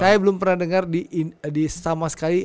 saya belum pernah dengar sama sekali